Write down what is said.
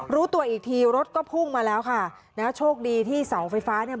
รู้ตัวอีกทีรถก็พุ่งมาแล้วค่ะนะฮะโชคดีที่เสาไฟฟ้าเนี่ย